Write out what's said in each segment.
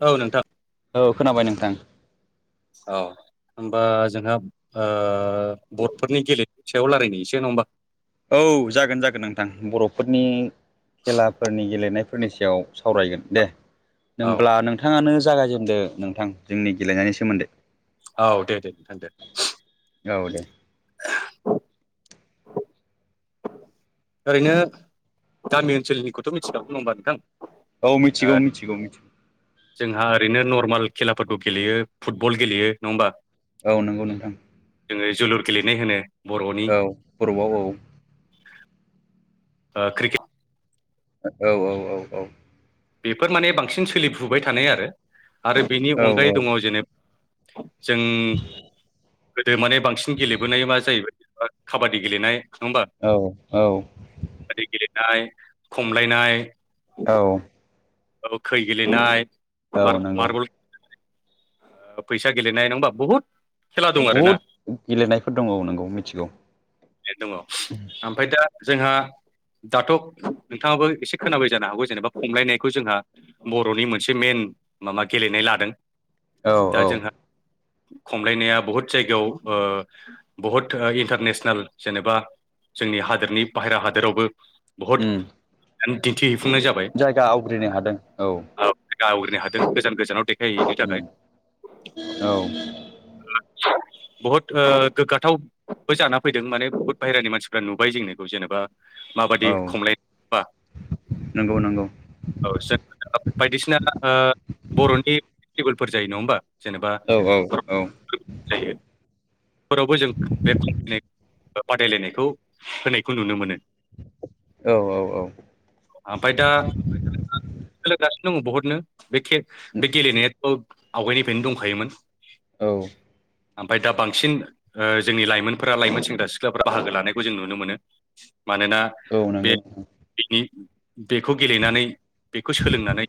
औ नोंथां औ खोनाबाय नोंथां। अह। ओमबा जोंहा ओ बदफोरनि गेलेद सायाव लायरायनि इसे नङा ओमबा। औ जागोन जागोन नोंथां बर'फोरनि। खेलाफोरनि गेलेनायफोरनि सायाव सावरायगोन दे। औ नोमब्ला नोंथाङानो जागायजेनदो नोंथां जोंनि गेलेनायनि सोमोन्दै। औ दे दे नोंथां दे। औ दे ओरैनो गामि ओनसोलनिखौथ' मिथिगांगौ नङा होनबा नोंथां। औ ओ मिथिगौ मिथिगौ मिथिगौ। जोंहा ओरैनो नर्मेल खेलाफोरखौ गेलेयो फुटबल गेलेयो नङा होमबा। औ नंगौ नोंथां जोङो जोलुर गेलेनाय होनो। बर'नि औ बरबआव औ। ओ‌ क्रिकेट। औ औ औ औ। बेफोर माने बांसिन सोलिफुबाय थानाय आरो आरो बेनि औ अनगायै दङ जेनेब। जों। गोदो माने बांसिन गेलेबोनाय एबा जाहैबाय ओ खाबादि गेलेनाय। होमबा औ औ। नाय खमलायनाय। औ। औ खै गेलेनाय औ नंगौ मार्ब-मार्बल। [unintelligible] ओ फैसा गेलेनाय नङा ओमबा बुहुद। खेला दं आरोना बहुद गेलेनायफोर दङ औ नंगौ मिथिगौ दङ ओमफ्राय दा। जोंहा। दाथ' नोंथाङाबो इसे खोनाबाय जानो हागौ जेनेबा खमलायनायखो जोंहा बर'नि मोनसे मेन। माबा गेलेनाय लादों। औ दा औ। जोंहा खमलायनाया बहुत जायगायाव ओ बहुत ओ इन्टारनेसनेल जेनेबा। जोंनि हादोरनि बाहेरा हादोरावबो बहुद उम एमटिटिब। जायगा आवग्रिनो हादों औ। आवग्रिनो हादों गोजान गोजानाव देखायहैैनो उम थाखाय। औ। [inaudible] बहुत गोग्गाथावब जाना फैदों माने बुहुत बायहेरानि मानसिफ्रा नुबाय जोंनिखौ जेनेबा। माबादि औ खमलायद-बा। नंगौ नंगौ औ जों बायदिसिना ओ बर'नि फेस्टिभेलफोर जायो नङा होमबा। जेनेबा औ औ औ [unintelligible] जायो। फोरावबो जों बे फनाय बादायलायनायखौ होनायखौ नुनो मोनो। औ औ आमफाय दा दंङ बहुतनो बे बे गेलेनायाथ' आवगायनिफ्रायनो दंखायोमोन। औ ओमफफ्राय दा बांसिन जोंनि लाइमोनफोरा लाइमोन सेंग्रा सिख्लाफ्रा बाहागो लानायखौ जों नुनो मोनो। मानोना औ नंगौ नोंथां बे-बेनि बेखौ गेलेनानै बेखौ सोलोंनानै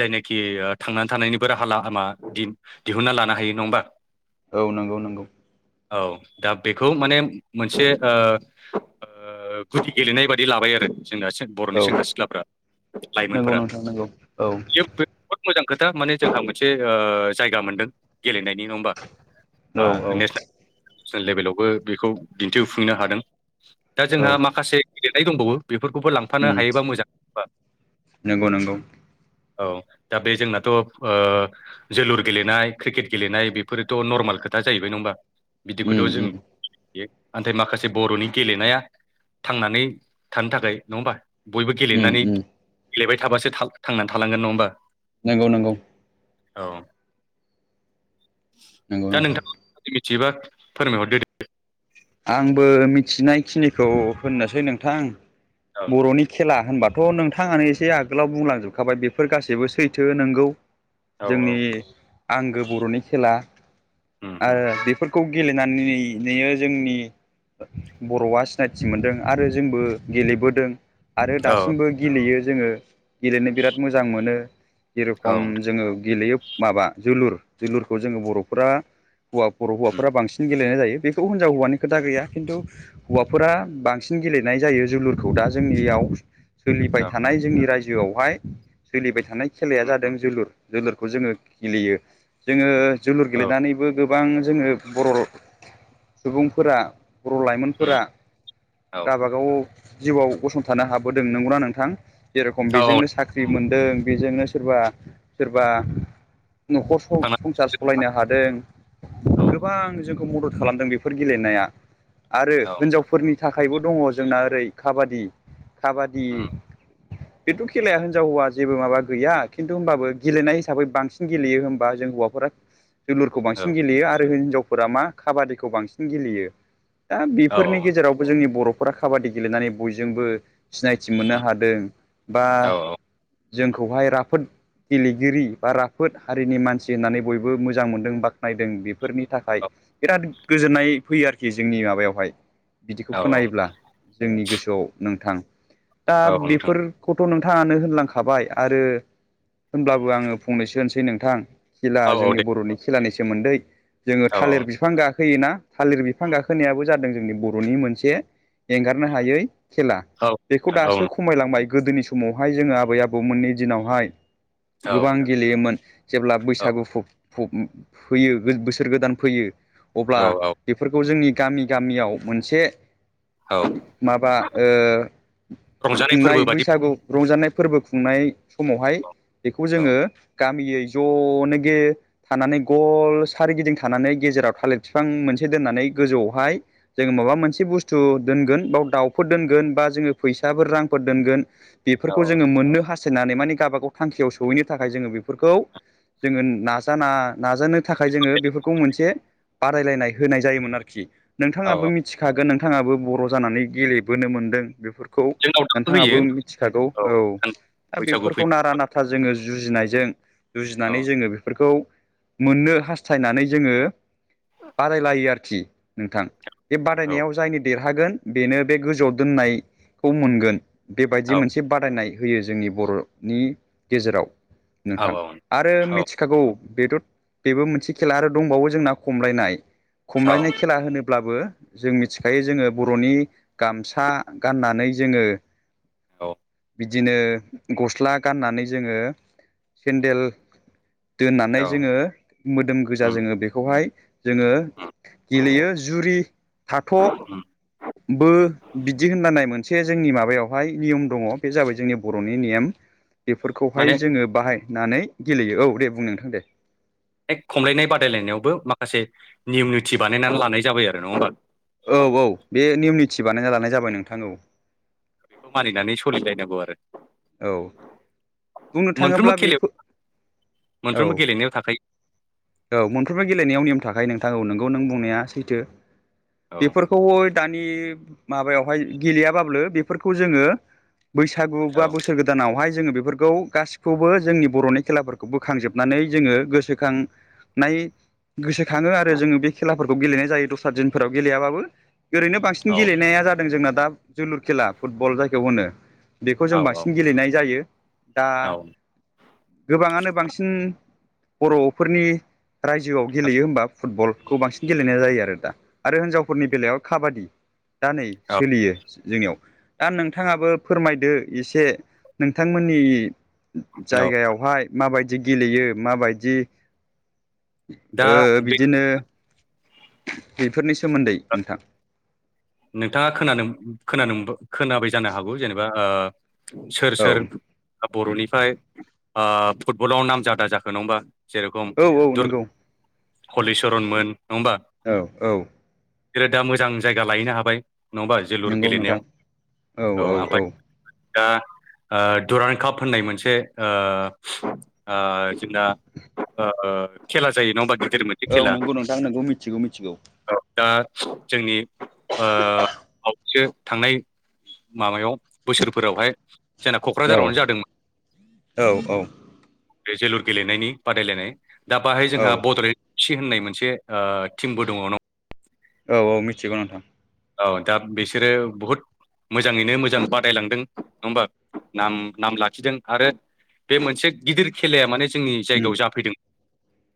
जायनाखि थांनानै थानायनिबो राहा लामा दिहुनना लानो हायो नङा होमबा औ नंगौ नंगौ औ दा बेखौ माने मोनसे गुदि गेलेनाय बाददि लाबाय आरो। जोंना बर'नि औ सेंग्रा सिख्लाफ्रा नंगौ लाइमोनफोरा नोंथां नंगौ औ बे बहुद मोजां खोथा माने जोंहा मोनसे जायगा मोनदों गेलेनायनि नङा होमबा औ नेसेनेल लेभेलावबो बेखौ दिन्थिफुंनो हादों। दा औ जोंहा माखासे गेलेनाय दंबावो बेफोरखौबो लांफानो उम हायोबा मोजां। नंगौ नंगौ औ दा बे जोंनाथ' जोलुर गेलेनाय क्रिकेट गेलेनाय बेफोरोथ' नर्मेल खोथा। दा जाहैबाय नङा होमबा उम बिदिखौथ' जों उम नाथाय माखासे बर'नि गेलेनाया थांनानै थानो थाखाय नङा होमबा बयबो उम गेलेनानै उम गेलेबाय थाबासो थांनानै थालांगोन नङा होमबा नंगौ नंगौ औ नंगौ नोंथां मिथिबा फोरमायहरदो दे सिनायखिनिखौ होननोसै नोंथां औ बर'नि खेला होनबा थ' नोंथाङानो एसे आगोलाव बुंलांजोबखाबाय बेफोर गासैबो सैथो नोंगौ औ जोंनि आंगो बर'नि खेला उम उम आरो बेफोर खौ गेलेनानै जोंनि बर'आ सिनायथि मोनदों आरो जोंबो गेलेबोदों आरो औ दासिमबो गेलेयो जोङो गेलेनो बिराद मोजां मोनो औ जेरेखम उम जोङो गेलेयो माबा जोलुर जोलुरखौ जोङो बर'फोरा हौवा बर' हौवाफोरा बांसिन गेलेनाय जायो। थ' हिनजाव हौवानि खोथा गैया खिन्थु हौवाफोरा बांसिन गेलेनाय जायो जोलुरखौ दा जोंनियाव सोलिबाय औ थानाय जोंनि रायजोआवहाय सोलिबाय थानाय खेलाया उम उम जादों जोलुर जोलुरखौ जोङो गेलेयो जोङो जोलुर औ गेलेनानैबो गोबां जोङो बर' सुबुंफोरा बर' उम लाइमोनफोरा औ गावाबागाव जिउआव गसंथानो हाबोदों नंगौना नोंथां जेरेखम औ औ बेजोंनो साख्रि मोन दों बेजोंनो सोरबा सोरबा न'खर थांना संसार सालायनो हादों औ गोबां जोंखौ मदद खालामदों बे फोर गेलेनाया आरो औ नोंथां हिनजावफोरनि थाखाय बो दङ जोंना ओरै काबादि काबादि उम बेथ' खेलाया हिनजाव हौवा जेबो माबा गैया खिन्थु होमबाबो गेलेनाय हिसाबै बांसिन गेलेयो होमबा जों हौवाफोरा जोलुरखौ औ बांसिन गेलेयो आरो हिनजावफोरा मा काबादिखौ बांसिन गेलेयो दा औ बेफोरनि उम गेजेरावबो जोंनि बर' नखरा काबादि गेलेनानै बयजोंबो सिनायथि मोननो हादों बा औ जोंखौहाय राफोद गेलेगिरि बा राफोद हारिनि मानसि होननानै बयबो मोजां मोनदों बाखानायदों बेफोरनि थाखाय बिराद गोजोननाय फैयो आरोखि जोंनि माबायावहाय बिदिखौ औ औ खोनायोब्ला जोंनि गोसोआव नोंथां दा औ नोंथां बेफोरखौ थ' नोंथाङानो होनलांखाबाय आरो होनब्लाबो आङो फंनैसो होनसै नोंथां खेला औ औ जोंनि दे बर'नि खेलानि सोमोन्दै जोङो औ थालिर बिफां गाखोयोना थालिर बिफां गाखोनायाबो जादों जोंनि बर'नि मोनसे एंगारनो हायै खेला औ बेखौ नोंथां औ दासो खमायलांबाय गोदोनि समावहाय जोङो आबै आबौमोननि दिनावहाय नोंथां गोबां गेलेयोमोन जेब्ला बैसागु फ फ फैयो बोसोर गोदान फैयो अब्ला औ औ फोरखौ जोंनि गामि गामियाव मोनसे औ माबा ओ रंजानाय फोरबो खुंनाय बादि बैसागु रंजानाय फोरबो खुंनाय समावहाय बेखौ औ जोङो गामियै ज'नो गे थानानै गल सारिगिदिं थानानै गेजेराव थालिर बिफां मोन से दोननानै गोजौआवहाय जोङो माबा मोनसे बुस्थु दोनगोन बाव दावखौ दोनगोन बा जोङो फै साफोर रांफोर दोनगोन औ बेफोरखौ जोङो मोननो हा स्थायनानै माने गावबाागाव थांखियाव सहैनो थाखाय जोङो बेफोरखौ जोङो नाजाना नाजानो थाखाय जोङो बेफोरखौ मोनसे बादायलायनाय होनाय जायोमोन आरोखि नोंथाङाबो औ मिथिखागोन नोंथाङाबो बर' जानानै गेलेबोनो मोनदों बेफोर खौ जोंनाव दाबो होयो नोंथाङाबो मिथिखागौ औ दा बैसागु फै बेफोरखौ नारा नाथा जोङो जुजिनायजों औ जुजिनानै जोङो बेफोरखौ मोननो हास्थायनानै जोङो बादायलायो आरोखि नोंथां बे नोंथां औ बादायनायाव जायनो देर हागोन बेनो बे गोजौआव दोननाय खौ मोनगोन बेबायदि औ मोनसे बादायनाय होयो जोंनि बर'नि गेजेराव औ नोंथां औ आरो मिथिखागौ बेथ' बेबो मोनसे खेला आरो दंबावो जोंना खमलायनाय औ खमलायनाय खेला होनो ब्लाबो जों मिथिखायो जोङो बर'नि गामसा गाननानै जोङो औ बिदिनो गस्ला गाननानै जोङो सेन्देल दोननानै औ जोङो मोदोम गोजा उम जोङो बेखौहाय जोङो गेलेयो जुरि थाथ' उम बो बिदि होनना नाय मोन से जोंनि माबायावहाय नियम दङ बे जाबाय जोंनि बर'नि नियम बेफोरखौहाय माने जोङो बाहाय नानै गेलेयो औ दे बुं नोंथां दे खमलायनाय बादायलायनायावबो माखासे नियम निथि बानायनानै लानाय जाबाय आरो नङा होमबा थि बानायना लानाय जाबाय नोंथां औ दा बेखौ मानिनानै सलिलायनांगौ आरो औ बुंनो मोनफ्रोमबो थाङोब्ला खेलायाव बेफो मोनफ्रोमबो गेलेनायाव थाखायो औ मोनफ्रोमबो गेलेनायाव नियम थाखायो नोंथां नोंगौ नों बुंनाया सैथो औ बेफोरखौ दानि माबायावहाय गेलेयाब्लाबो बेफोरखौ जोङो बैसागु बा औ बोसोर गोदानावहाय जोङो बेफोरखौ गासिखौबो जोंनि बर'नि खेलाफोरखौ बोखांजोबनानै जोङो गोसोखां नाय गोसोखाङो आरो जोङो बे खेलाफोरखौ गेलेनाय जायो दस्रा दिनफोराव गेलेयाबाबो ओरैनो बांसिन औ गेलेनाया जादों जोंना दा जोलुर खेला फुटबल जायखौ होनो बेखौ जों बांसिन गेलेनाय जायो दा औ गोबाङानो बांसिन बर'फोरनि रायजोआव गेलेयो होमबा फुटबलखौ बांसिन गेलेनाय जायो आरो दा आरो हिनजावफोरनि बेलायाव काबादि दा नै औ सोलियो जोंनियाव दा नोंथाङाबो फोरमायदो एसे नोंथांमोननि औ जायगायावहाय माबायदि गेलेयो माबायदि दा ओ बे बिदिनो बेफोरनि सोमोन्दै नोंथां नोंथाङा खोनानो खोनानो मोनबो खोनाबाय जानो हागौ जेनेबा ओ सोर औ सोर बर'निफ्राय ओ फुटबलाव नाम जादा जाखो नङा होमबा जेरखम औ औ दुरग‌ नंगौ [unintelligible] हलिचरनमोन नङा ओमबा औ औ जेरो दा मोजां जायगा लाहैनो हाबाय नङाबा जोलुर नंगौ गेलेनायाव नोंथां औ ओमफ्राय दा ओ दुरां काप होननाय मोनसे ओ ओ जोंना ओ खेला जायो नङा बा औ नंगौ नोंथां नोंगौ मिथिगौ मिथिगौ। दा जोंनि ओ बावैसो थांनाय माबायाव बोसोरफोरावहाय जोंना औ क'क्राझारावनो जादोंमोन। औ औ बे जोलुर गेलेनायनि बादायलायनाय दा बाहाय औ जोंहा बड'लेण्ड सि होननाय मोनसे ओ टिमबो दङ न औ औ मिथिगौ नोंथां। औ दा बिसोरो बुहुद मोजाङैनो मोजां बादायलांदों नङा होमबा नाम नाम लाखिदों आरो बे मोनसे गिदिर खेलाया माने जोंनि उम जायगायाव जाफैदों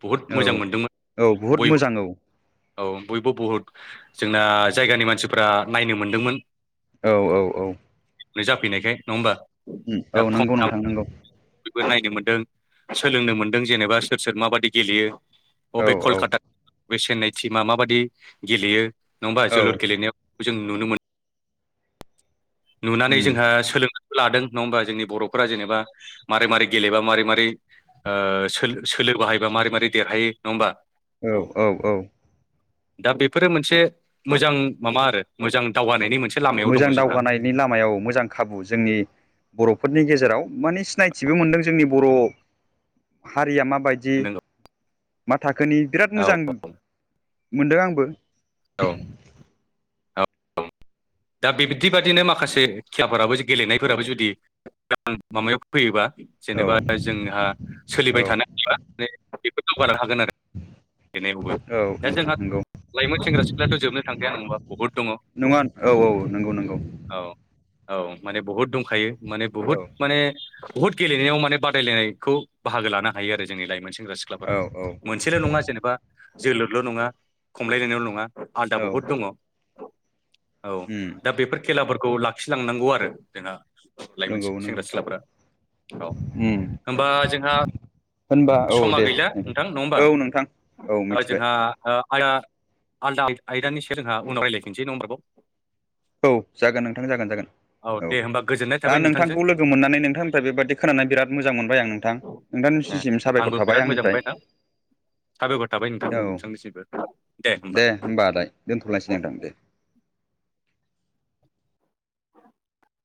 बुहुद औ मोजां मोनदोंमोन औ बहुद बयबो मोजां औ [unintelligible] औ बयबो बुहुद जोंना जायगानि मानसिफ्रा नायनो मोनदोंमोन। औ औ औ जाफैनायखाय नङा होमबा दा औ खम नंगौ दाम नोंथां नंगौ। बयबो नायनो मोन्दों सोलोंनो मोन्दों जेनेबा सोर सोर माबादि गेलेयो। औ बबे औ कलकाता बबे चेन्नाइ टिमा माबादि गेलेयो होमबा औ जोलुर गेलेनायाव जों नुनो मोनो [unintelligible] नुनानै उम जोंहा सोलों लादों नङा होमबा जोंनि बर'फोरा जेनेबा मारै मारै गेलेबा मारै मारै ओ सोलो बाहायोबा मारै मारै देरहायो नङा होमबा औ औ औ दा बेफोरो मोनसे मोजां माबा आरो मोजां दावगानायनि मोन मोजां दावगानायनि ला मायाव मोजां खाबु जोंनि बर'फोरनि गेजेराव माने सिनायथिबो मोनदों जोंनि बर' हारिया माबायदि माबादि नोंगौ मा थाखोनि बिराद औ मोजां मोनदों आंबो औ [inaudible] दा बेबादि बादिनो माखासे खेलाफोराबो गेलेनायफोराबो जुदि माबायाव फैयोबा [unintelligible] औ जेनेबा जोंहा औ सोलिबाय थानायानो हा [unintelligible] मे बेफोर दावगानोानो हागोन आरो बेनायबो औ दा नोंथां जोंहा नंगौ लाइमोन सेंग्रा सिख्लाथ' जोबनो थांखाया नंबा बहुद दङ नङा औ औ नंगौ नंगौ। औ औ माने बहुद दंखायो माने बुहुद औ माने बुहुद गेलेनायाव माने बादायलायनायखौ बाहागो लानो हायो आरो जोंनि लाइमोन सेंग्रा सिख्लाफोरा औ औ मोनसेल' नङा जेनेबा जोलुरल' नङा खमलायलायनायल' नङा आलदा औ बहुद दङ। औ उम दा बेफोर खेलाफोरखौ लाखिलांनांगौ आरो जोंहा लाइमोन नंगौ नंगौ सेंग्रा सिख्लाफोरा औ उम होनबा जोंहा होनबा औ समा दे गैला नोंथां नङा औ नोंथां औ होमबा मिथिबाय जोंहा ओ आदा आलदा आयदानि सायाव जोंहा उनाव रायलायफिनसै नङा ओमबा‌ आरोबाव औ जागोन नोंथां जागोन जागोन औ दे होमबा गोजोननाय दा थाबाय नोंथांजों नोंथांखौ लोगो मोननानै नोंथांनिफ्राय बेबायादि खोनानानै बिराद मोजां मोनबाय आं नोंथां नोंथांनिसिसिम स आंबो बिराद मोजां मोनबाय नोंथां साबायखर थाबाय नोंथां औ नोंसांनिसिमबो दे होमबा आदाय दोनथ'लायसै नोंथां दे [inaudible]